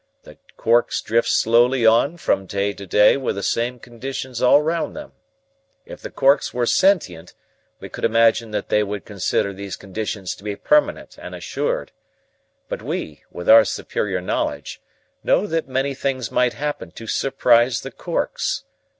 The corks drift slowly on from day to day with the same conditions all round them. If the corks were sentient we could imagine that they would consider these conditions to be permanent and assured. But we, with our superior knowledge, know that many things might happen to surprise the corks.